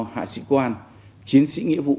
hạ sĩ quan chiến sĩ nghĩa vụ